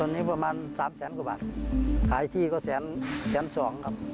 ตอนนี้ประมาณ๓แสนกว่าบาทขายที่ก็แสนแสนสองครับ